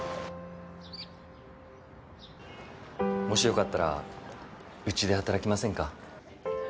もしよかったらうちで働きませんか？